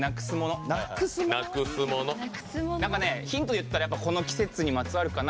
ヒント言ったらこの季節にまつわるかな。